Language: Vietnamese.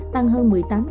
tăng hơn một mươi tám